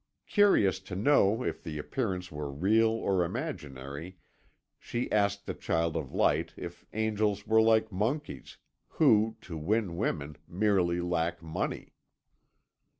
Curious to know if the appearance were real or imaginary she asked the child of light if Angels were like monkeys, who, to win women, merely lack money.